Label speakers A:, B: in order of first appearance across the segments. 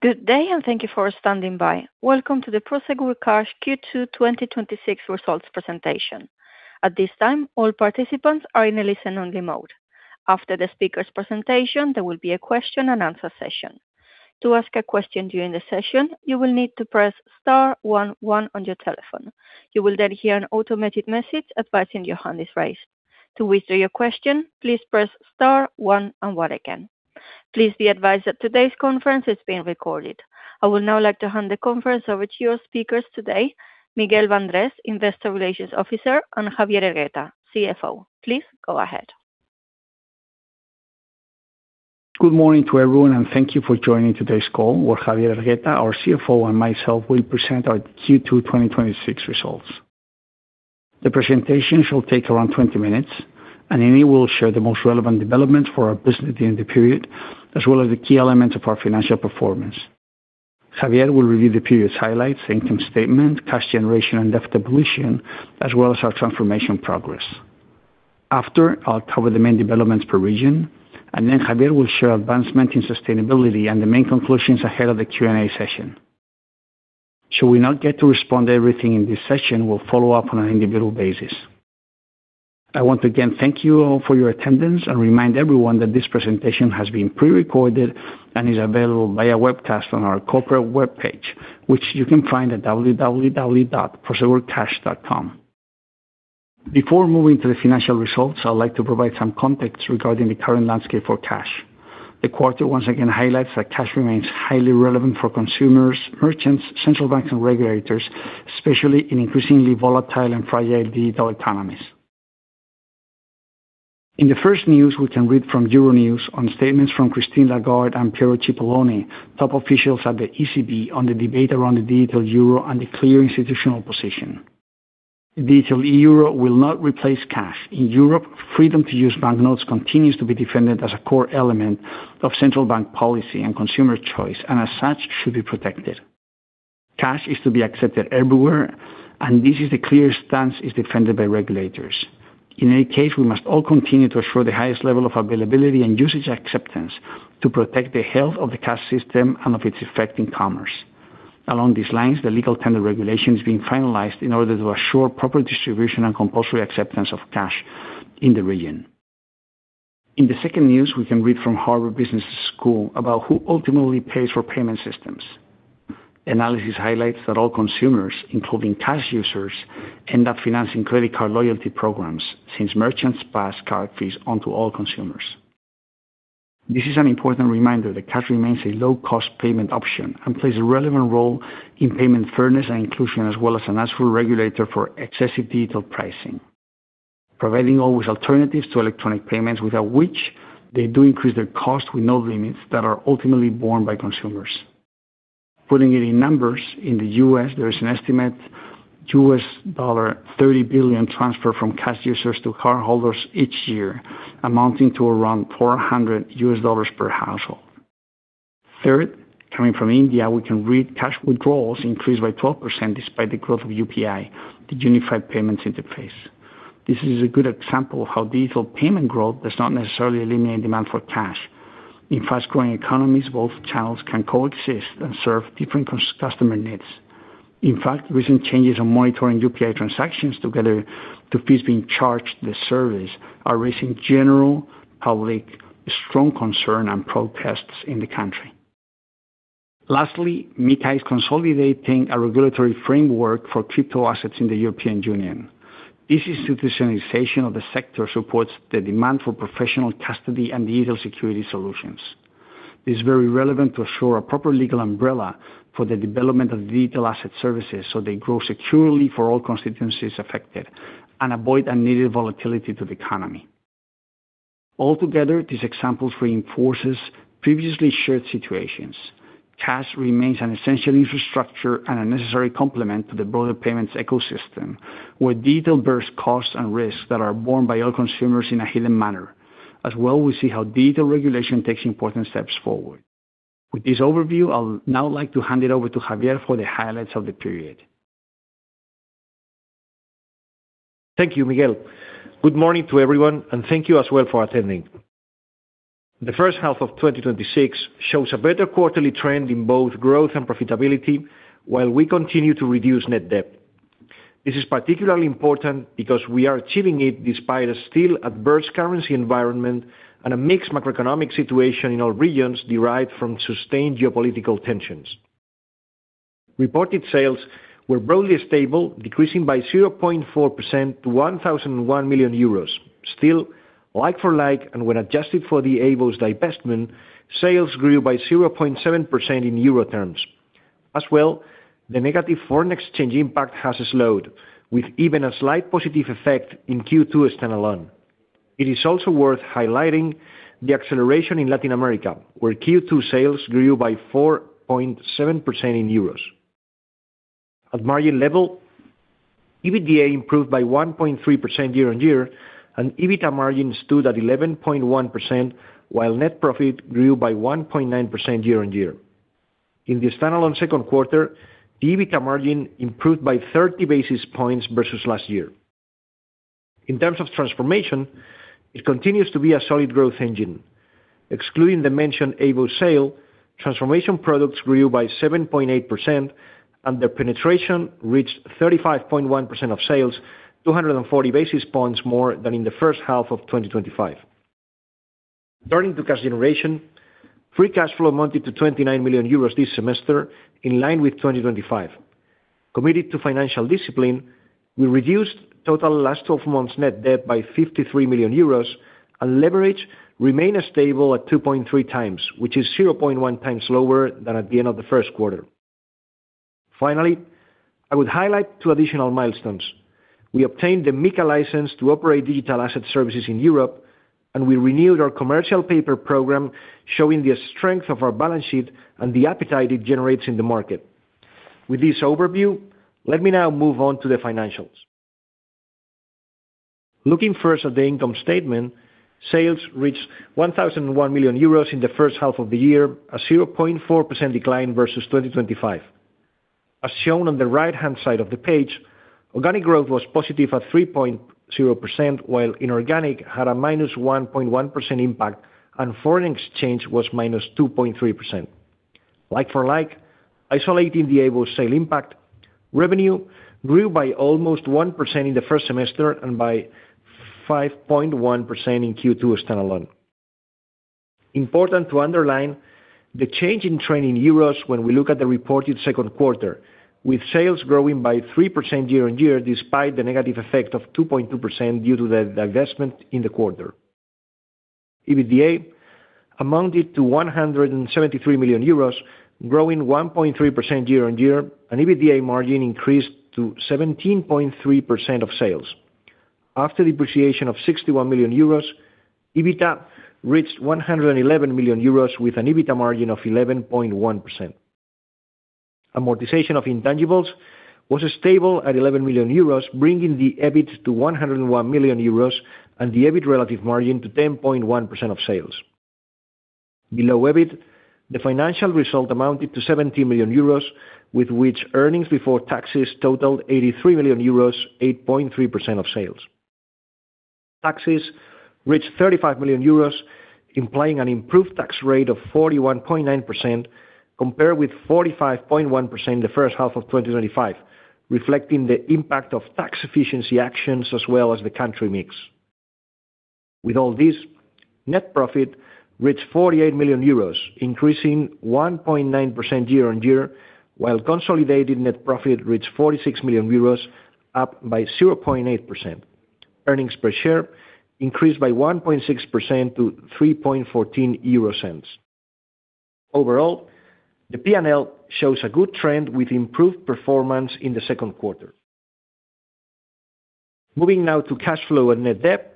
A: Good day. Thank you for standing by. Welcome to the Prosegur Cash Q2 2026 results presentation. At this time, all participants are in a listen-only mode. After the speakers' presentation, there will be a question-and-answer session. To ask a question during the session, you will need to press star one one on your telephone. You will then hear an automated message advising your hand is raised. To withdraw your question, please press star one and one again. Please be advised that today's conference is being recorded. I would now like to hand the conference over to your speakers today, Miguel Bandrés, Investor Relations Officer, and Javier Hergueta, Chief Financial Officer. Please go ahead.
B: Good morning to everyone. Thank you for joining today's call, where Javier Hergueta, our Chief Financial Officer, and myself will present our Q2 2026 results. The presentation shall take around 20 minutes. In it we'll share the most relevant developments for our business during the period, as well as the key elements of our financial performance. Javier will review the period's highlights, income statement, cash generation, and debt evolution, as well as our transformation progress. After, I'll cover the main developments per region. Then Javier will share advancement in sustainability and the main conclusions ahead of the question-and-answer session. Should we not get to respond to everything in this session, we'll follow up on an individual basis. I want to again thank you all for your attendance and remind everyone that this presentation has been pre-recorded and is available via webcast on our corporate webpage, which you can find at www.prosegurcash.com. Before moving to the financial results, I would like to provide some context regarding the current landscape for cash. The quarter once again highlights that cash remains highly relevant for consumers, merchants, central banks, and regulators, especially in increasingly volatile and fragile digital economies. In the first news, we can read from Euronews on statements from Christine Lagarde and Piero Cipollone, top officials at the ECB, on the debate around the digital euro and the clear institutional position. The digital euro will not replace cash. In Europe, freedom to use banknotes continues to be defended as a core element of central bank policy and consumer choice, and as such, should be protected. Cash is to be accepted everywhere. This is the clear stance is defended by regulators. In any case, we must all continue to ensure the highest level of availability and usage acceptance to protect the health of the cash system and of its effect in commerce. Along these lines, the legal tender regulation is being finalized in order to assure proper distribution and compulsory acceptance of cash in the region. In the second news, we can read from Harvard Business School about who ultimately pays for payment systems. Analysis highlights that all consumers, including cash users, end up financing credit card loyalty programs, since merchants pass card fees onto all consumers. This is an important reminder that cash remains a low-cost payment option and plays a relevant role in payment fairness and inclusion, as well as a natural regulator for excessive digital pricing, providing always alternatives to electronic payments, without which they do increase their cost with no limits that are ultimately borne by consumers. Putting it in numbers, in the U.S., there is an estimated $30 billion transfer from cash users to cardholders each year, amounting to around $400 per household. Third, coming from India, we can read cash withdrawals increased by 12% despite the growth of UPI, the Unified Payments Interface. This is a good example of how digital payment growth does not necessarily eliminate demand for cash. In fast-growing economies, both channels can coexist and serve different customer needs. In fact, recent changes in monitoring UPI transactions together to fees being charged the service are raising general public strong concern and protests in the country. Lastly, MiCA is consolidating a regulatory framework for crypto assets in the European Union. This institutionalization of the sector supports the demand for professional custody and digital security solutions. It is very relevant to ensure a proper legal umbrella for the development of digital asset services so they grow securely for all constituencies affected and avoid unneeded volatility to the economy. Altogether, these examples reinforce previously shared situations. Cash remains an essential infrastructure and a necessary complement to the broader payments ecosystem, where digital bears costs and risks that are borne by all consumers in a hidden manner. As well, we see how digital regulation takes important steps forward. With this overview, I will now like to hand it over to Javier for the highlights of the period.
C: Thank you, Miguel. Good morning to everyone, and thank you as well for attending. The first half of 2026 shows a better quarterly trend in both growth and profitability while we continue to reduce net debt. This is particularly important because we are achieving it despite a still adverse currency environment and a mixed macroeconomic situation in all regions derived from sustained geopolitical tensions. Reported sales were broadly stable, decreasing by 0.4% to 1.001 billion euros. Still, like-for-like, and when adjusted for the AVOS divestment, sales grew by 0.7% in EUR terms. As well, the negative foreign exchange impact has slowed, with even a slight positive effect in Q2 standalone. It is also worth highlighting the acceleration in Latin America, where Q2 sales grew by 4.7% in euros. At margin level, EBITDA improved by 1.3% year-on-year, EBITA margin stood at 11.1%, while net profit grew by 1.9% year-on-year. In the standalone second quarter, the EBITA margin improved by 30 basis points versus last year. In terms of transformation, it continues to be a solid growth engine. Excluding the mentioned AVOS sale, Transformation Products grew by 7.8% and their penetration reached 35.1% of sales, 240 basis points more than in the first half of 2025. Turning to cash generation, free cash flow amounted to 29 million euros this semester, in line with 2025. Committed to financial discipline, we reduced total last 12 months net debt by 53 million euros, and leverage remained stable at 2.3x, which is 0.1x lower than at the end of the first quarter. Finally, I would highlight two additional milestones. We obtained the MiCA license to operate digital asset services in Europe. We renewed our commercial paper program, showing the strength of our balance sheet and the appetite it generates in the market. With this overview, let me now move on to the financials. Looking first at the income statement, sales reached 1,001 million euros in the first half of the year, a 0.4% decline versus 2025. As shown on the right-hand side of the page, organic growth was positive at 3.0%, while inorganic had a -1.1% impact, and foreign exchange was -2.3%. Like-for-like, isolating the AVOS sale impact, revenue grew by almost 1% in the first semester and by 5.1% in Q2 standalone. Important to underline the change in trend in euros when we look at the reported second quarter, with sales growing by 3% year-on-year, despite the negative effect of 2.2% due to the divestment in the quarter. EBITDA amounted to 173 million euros, growing 1.3% year-on-year, and EBITDA margin increased to 17.3% of sales. After depreciation of 61 million euros, EBITA reached 111 million euros with an EBITA margin of 11.1%. Amortization of intangibles was stable at 11 million euros, bringing the EBIT to 101 million euros and the EBIT relative margin to 10.1% of sales. Below EBIT, the financial result amounted to 17 million euros, with which earnings before taxes totaled 83 million euros, 8.3% of sales. Taxes reached 35 million euros, implying an improved tax rate of 41.9%, compared with 45.1% in the first half of 2025, reflecting the impact of tax efficiency actions as well as the country mix. With all this, net profit reached 48 million euros, increasing 1.9% year-on-year, while consolidated net profit reached 46 million euros, up by 0.8%. Earnings per share increased by 1.6% to 3.14 euro. Overall, the P&L shows a good trend with improved performance in the second quarter. Moving now to cash flow and net debt.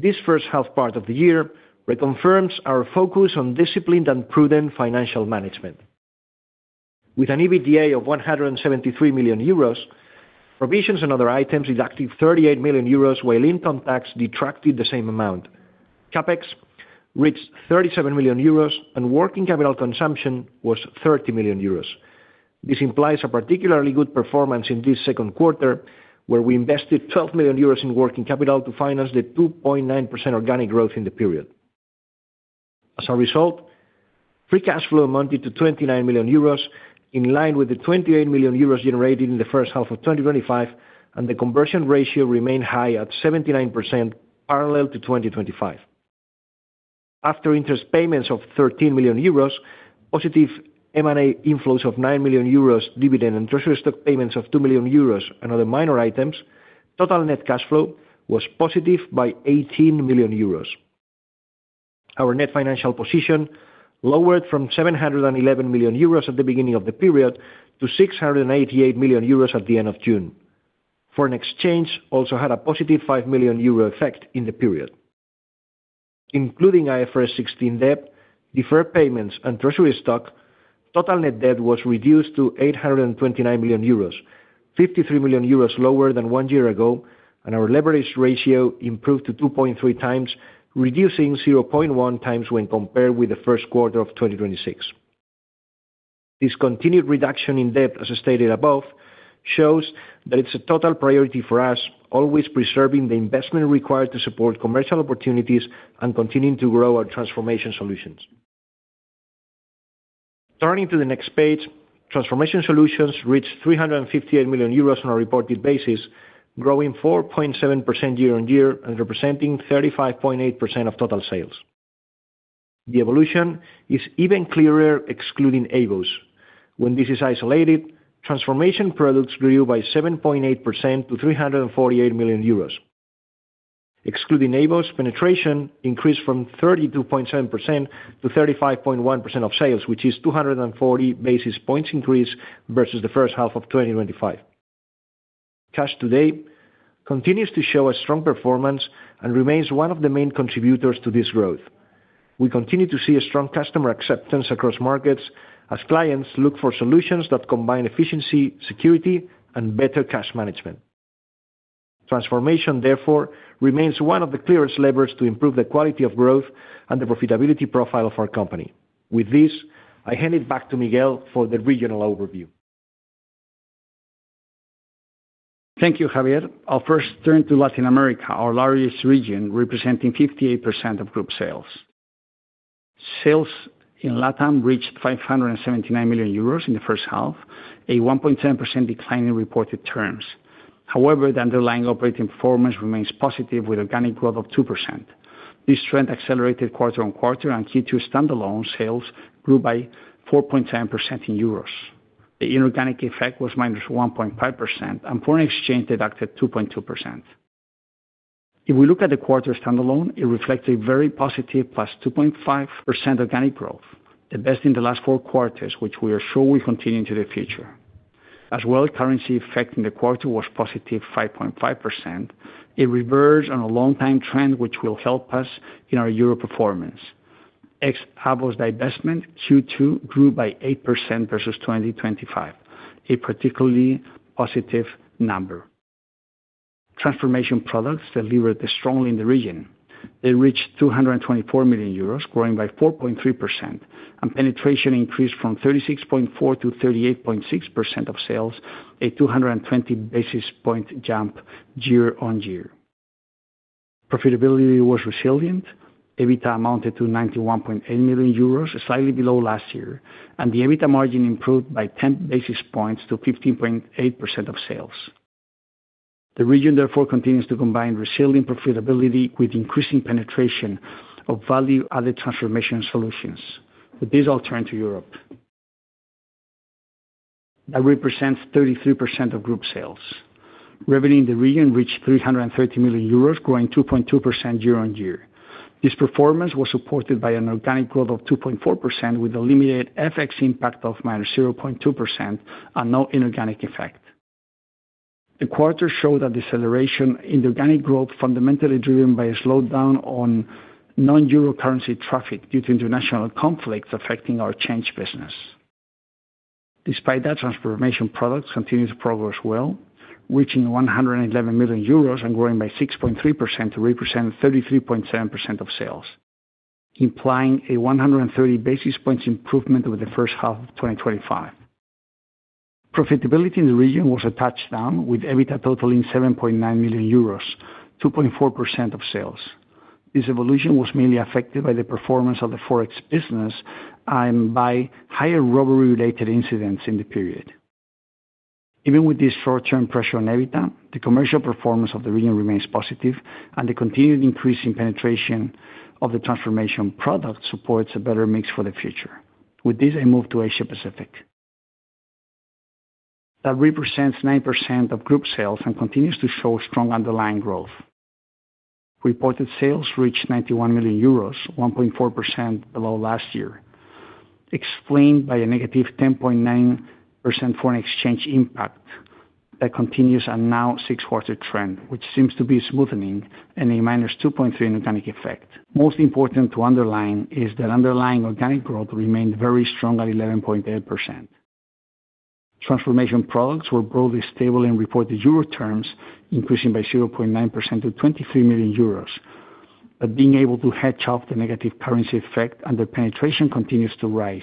C: This first half part of the year reconfirms our focus on disciplined and prudent financial management. With an EBITDA of 173 million euros, provisions and other items deducted 38 million euros, while income tax deducted the same amount. CapEx reached 37 million euros, and working capital consumption was 30 million euros. This implies a particularly good performance in this second quarter, where we invested 12 million euros in working capital to finance the 2.9% organic growth in the period. As a result, free cash flow amounted to 29 million euros, in line with the 28 million euros generated in the first half of 2025, and the conversion ratio remained high at 79%, parallel to 2025. After interest payments of 13 million euros, positive M&A inflows of 9 million euros, dividend and treasury stock payments of 2 million euros, and other minor items, total net cash flow was positive by 18 million euros. Our net financial position lowered from 711 million euros at the beginning of the period to 688 million euros at the end of June. Foreign exchange also had a positive 5 million euro effect in the period. Including IFRS 16 debt, deferred payments, and treasury stock, total net debt was reduced to 829 million euros, 53 million euros lower than one year ago, and our leverage ratio improved to 2.3x, reducing 0.1x when compared with the first quarter of 2026. This continued reduction in debt, as stated above, shows that it's a total priority for us, always preserving the investment required to support commercial opportunities and continuing to grow our Transformation solutions. Turning to the next page, Transformation solutions reached 358 million euros on a reported basis, growing 4.7% year-on-year and representing 35.8% of total sales. The evolution is even clearer excluding AVOS. When this is isolated, Transformation Products grew by 7.8% to 348 million euros. Excluding AVOS, penetration increased from 32.7%-35.1% of sales, which is a 240 basis points increase versus the first half of 2025. Cash Today continues to show a strong performance and remains one of the main contributors to this growth. We continue to see a strong customer acceptance across markets as clients look for solutions that combine efficiency, security, and better cash management. Transformation, therefore, remains one of the clearest levers to improve the quality of growth and the profitability profile of our company. With this, I hand it back to Miguel for the regional overview.
B: Thank you, Javier. I'll first turn to Latin America, our largest region, representing 58% of group sales. Sales in LATAM reached 579 million euros in the first half, a 1.7% decline in reported terms. However, the underlying operating performance remains positive with organic growth of 2%. This trend accelerated quarter-on-quarter and Q2 standalone sales grew by 4.7% in euros. The inorganic effect was -1.5% and foreign exchange deducted 2.2%. If we look at the quarter standalone, it reflects a very positive +2.5% organic growth, the best in the last four quarters, which we are sure will continue into the future. As well, currency effect in the quarter was +5.5%. It reversed on a long time trend, which will help us in our euros performance. Ex AVOS divestment, Q2 grew by 8% versus 2025, a particularly positive number. Transformation Products delivered strongly in the region. They reached 224 million euros, growing by 4.3%, and penetration increased from 36.4% to 38.6% of sales, a 220 basis point jump year-on-year. Profitability was resilient. EBITDA amounted to 91.8 million euros, slightly below last year, and the EBITDA margin improved by 10 basis points to 15.8% of sales. The region, therefore, continues to combine resilient profitability with increasing penetration of value-added Transformation solutions. With this, I'll turn to Europe. That represents 33% of group sales. Revenue in the region reached 330 million euros, growing 2.2% year-on-year. This performance was supported by an organic growth of 2.4% with a limited FX impact of -0.2% and no inorganic effect. The quarter showed a deceleration in organic growth, fundamentally driven by a slowdown on non-EUR currency traffic due to international conflicts affecting our Prosegur Change. Despite that, Transformation Products continue to progress well, reaching 111 million euros and growing by 6.3% to represent 33.7% of sales, implying a 130 basis points improvement over the first half of 2025. Profitability in the region was a touch down, with EBITDA totaling 7.9 million euros, 2.4% of sales. This evolution was mainly affected by the performance of the Forex business and by higher robbery-related incidents in the period. Even with this short-term pressure on EBITDA, the commercial performance of the region remains positive, and the continued increase in penetration of the Transformation Product supports a better mix for the future. With this, I move to Asia-Pacific. That represents 9% of group sales and continues to show strong underlying growth. Reported sales reached 91 million euros, 1.4% below last year, explained by a negative 10.9% foreign exchange impact that continues a now six-quarter trend, which seems to be smoothening in a -2.3 inorganic effect. Most important to underline is that underlying organic growth remained very strong at 11.8%. Transformation Products were broadly stable in reported EUR terms, increasing by 0.9% to 23 million euros, but being able to hedge off the negative currency effect and the penetration continues to rise,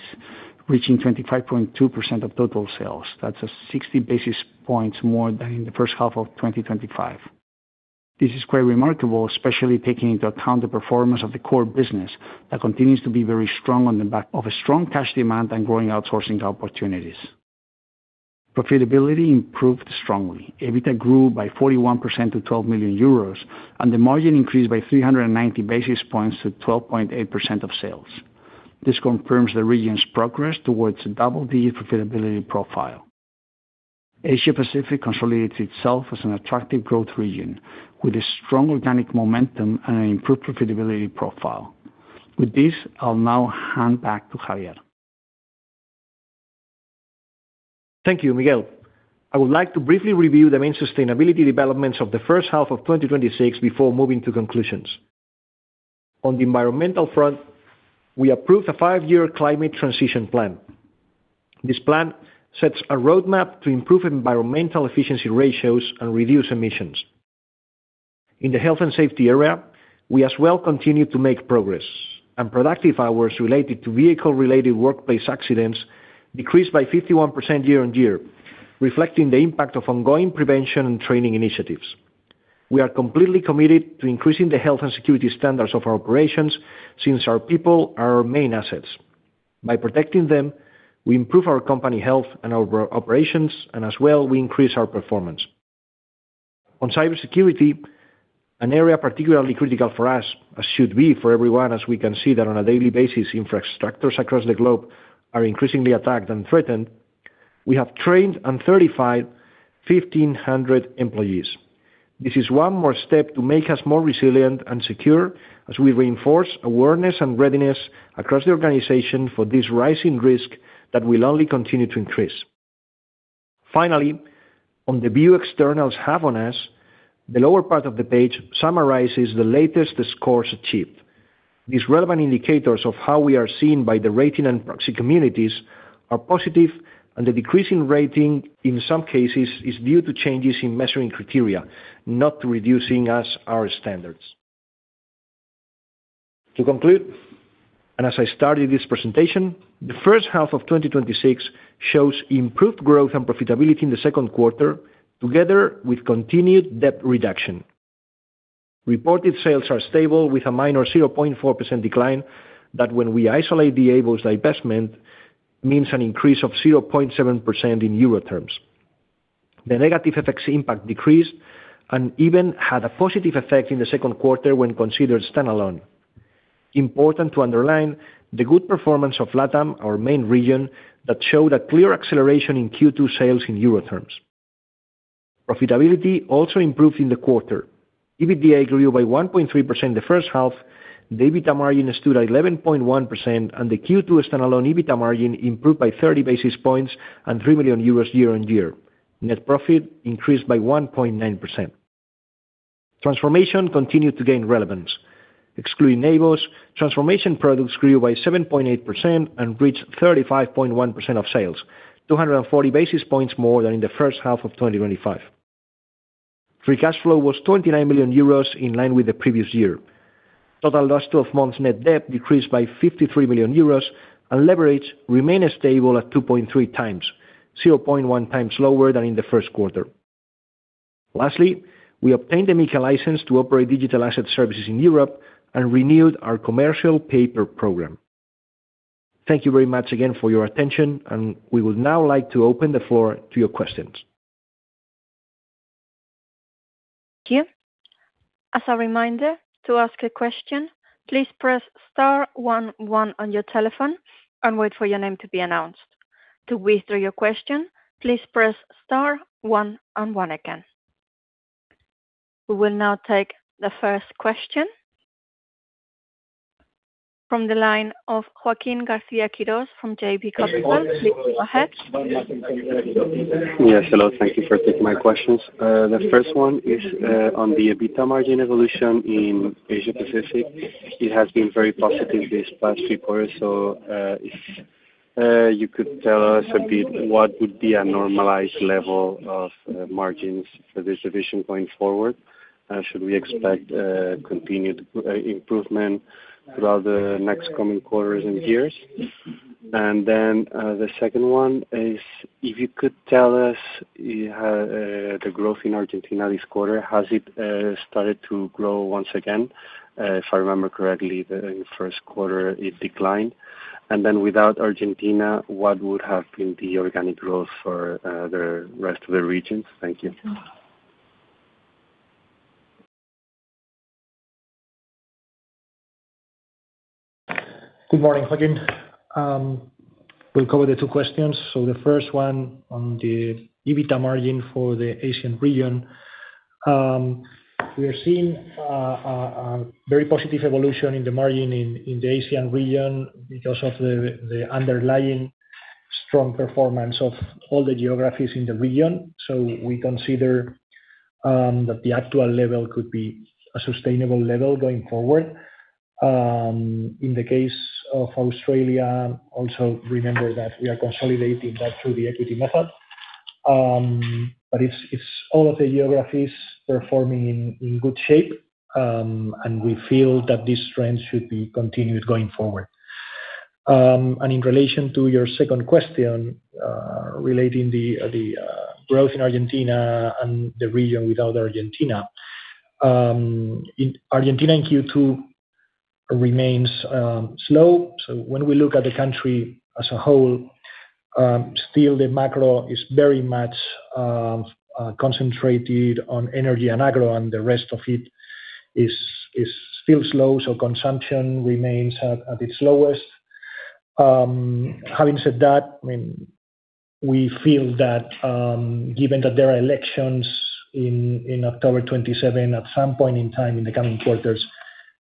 B: reaching 25.2% of total sales. That's a 60 basis points more than in the first half of 2025. This is quite remarkable, especially taking into account the performance of the core business that continues to be very strong on the back of a strong cash demand and growing outsourcing opportunities. Profitability improved strongly. EBITDA grew by 41% to 12 million euros, and the margin increased by 390 basis points to 12.8% of sales. This confirms the region's progress towards a double-digit profitability profile. Asia-Pacific consolidates itself as an attractive growth region with a strong organic momentum and an improved profitability profile. With this, I'll now hand back to Javier.
C: Thank you, Miguel. I would like to briefly review the main sustainability developments of the first half of 2026 before moving to conclusions. On the environmental front, we approved a five-year climate transition plan. This plan sets a roadmap to improve environmental efficiency ratios and reduce emissions. In the health and safety area, we as well continue to make progress, and productive hours related to vehicle-related workplace accidents decreased by 51% year-on-year, reflecting the impact of ongoing prevention and training initiatives. We are completely committed to increasing the health and security standards of our operations, since our people are our main assets. By protecting them, we improve our company health and our operations, and as well, we increase our performance. On cybersecurity, an area particularly critical for us, as should be for everyone, as we can see that on a daily basis, infrastructures across the globe are increasingly attacked and threatened. We have trained and certified 1,500 employees. This is one more step to make us more resilient and secure as we reinforce awareness and readiness across the organization for this rising risk that will only continue to increase. Finally, on the view externals have on us, the lower part of the page summarizes the latest scores achieved. These relevant indicators of how we are seen by the rating and proxy communities are positive, and the decrease in rating in some cases is due to changes in measuring criteria, not to reducing as our standards. To conclude, and as I started this presentation, the first half of 2026 shows improved growth and profitability in the second quarter, together with continued debt reduction. Reported sales are stable with a minor 0.4% decline, that when we isolate the AVOS divestment, means an increase of 0.7% in euro terms. The negative FX impact decreased and even had a positive effect in the second quarter when considered standalone. Important to underline the good performance of LATAM, our main region, that showed a clear acceleration in Q2 sales in euro terms. Profitability also improved in the quarter. EBITDA grew by 1.3% the first half, the EBITA margin stood at 11.1%, and the Q2 standalone EBITDA margin improved by 30 basis points and 3 million euros year-over-year. Net profit increased by 1.9%. Transformation continued to gain relevance. Excluding AVOS, Transformation Products grew by 7.8% and reached 35.1% of sales, 240 basis points more than in the first half of 2025. Free cash flow was 29 million euros, in line with the previous year. Total last 12 months net debt decreased by 53 million euros and leverage remained stable at 2.3x, 0.1x lower than in the first quarter. Lastly, we obtained the MiCA license to operate digital asset services in Europe and renewed our commercial paper program. Thank you very much again for your attention, and we would now like to open the floor to your questions.
A: Thank you. As a reminder, to ask a question, please press star one one on your telephone and wait for your name to be announced. To withdraw your question, please press star one and one again. We will now take the first question. From the line of Joaquín García-Quirós from JB Capital, please go ahead.
D: Yes, hello. Thank you for taking my questions. The first one is on the EBITDA margin evolution in Asia Pacific. It has been very positive this past quarter. If you could tell us a bit what would be a normalized level of margins for this division going forward? Should we expect continued improvement throughout the next coming quarters and years? The second one is, if you could tell us the growth in Argentina this quarter. Has it started to grow once again? If I remember correctly, the first quarter, it declined. Without Argentina, what would have been the organic growth for the rest of the regions? Thank you.
C: Good morning, Joaquín. We'll cover the two questions. The first one on the EBITDA margin for the Asian region. We are seeing a very positive evolution in the margin in the Asian region because of the underlying strong performance of all the geographies in the region. We consider that the actual level could be a sustainable level going forward. In the case of Australia, also remember that we are consolidating that through the equity method. It's all of the geographies performing in good shape, and we feel that this trend should be continued going forward. In relation to your second question, relating the growth in Argentina and the region without Argentina. In Argentina, in Q2 remains slow. When we look at the country as a whole, still the macro is very much concentrated on energy and agro, and the rest of it is still slow, so consumption remains at its lowest. Having said that, we feel that given that there are elections in October 27, at some point in time in the coming quarters,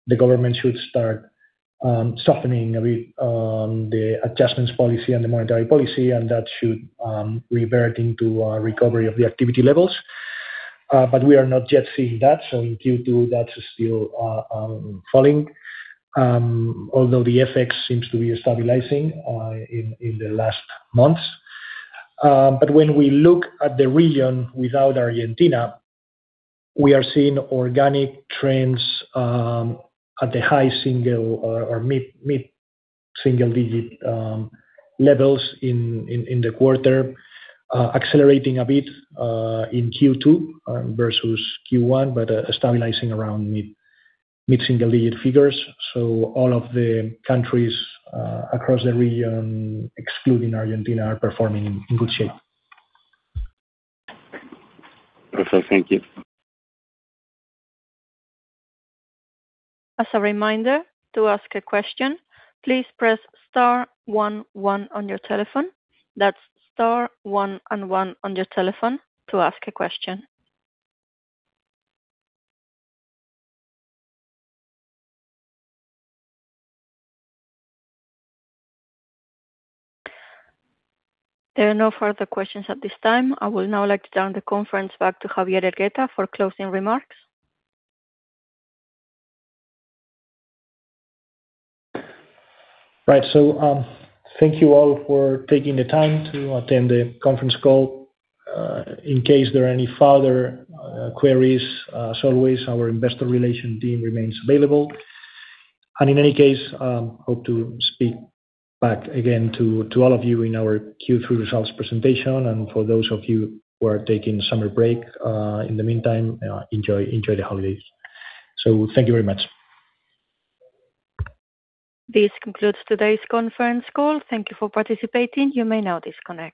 C: the government should start softening a bit on the adjustments policy and the monetary policy, and that should revert into a recovery of the activity levels. We are not yet seeing that. In Q2 that's still falling. Although the FX seems to be stabilizing in the last months. When we look at the region without Argentina, we are seeing organic trends at the high-single-digit or mid-single-digit levels in the quarter, accelerating a bit in Q2 versus Q1, but stabilizing around mid-single-digit figures. All of the countries across the region, excluding Argentina, are performing in good shape.
D: Perfect. Thank you.
A: As a reminder, to ask a question, please press star one one on your telephone. That's star one and one on your telephone to ask a question. There are no further questions at this time. I would now like to turn the conference back to Javier Hergueta for closing remarks.
C: Right. Thank you all for taking the time to attend the conference call. In case there are any further queries, as always, our investor relation team remains available. In any case, hope to speak back again to all of you in our Q3 results presentation. For those of you who are taking summer break, in the meantime, enjoy the holidays. Thank you very much.
A: This concludes today's conference call. Thank you for participating. You may now disconnect.